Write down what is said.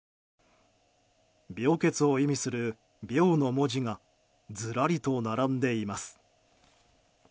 病欠を意味する病の文字がずらりと並んでいます。